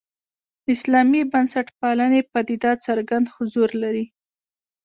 اسلامي بنسټپالنې پدیده څرګند حضور لري.